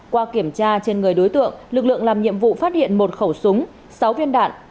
qua kiểm tra trên người đối tượng lực lượng làm nhiệm vụ phát hiện một khẩu súng sáu viên đạn